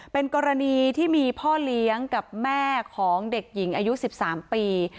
เป็นกรณีที่มีพ่อเลี้ยงกับแม่ของเด็กหญิงอายุ๑๓ปี